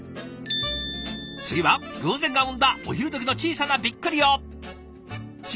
次は偶然が生んだお昼どきの小さなビックリを。